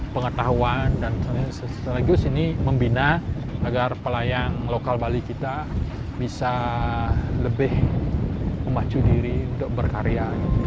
pengetahuan dan sekaligus ini membina agar pelayan lokal bali kita bisa lebih memacu diri untuk berkarya